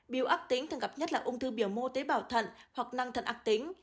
biểu ác tính thường gặp nhất là ung thư biểu mô tế bào thận hoặc năng thận ác tính